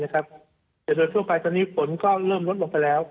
แต่โดยทั่วไปตอนนี้ฝนก็เริ่มลดลงไปแล้ว